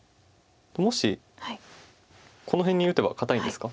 もしこの辺に打てば堅いんですか？